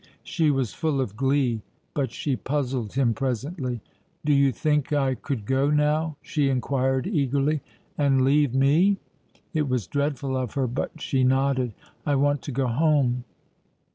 She was full of glee; but she puzzled him presently. "Do you think I could go now?" she inquired eagerly. "And leave me?" It was dreadful of her, but she nodded. "I want to go home."